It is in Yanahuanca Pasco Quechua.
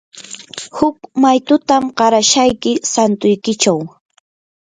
huk maytutam qarashayki santuykichaw.